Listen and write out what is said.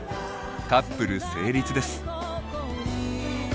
カップル成立です。